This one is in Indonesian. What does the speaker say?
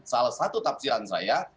salah satu kapsiran saya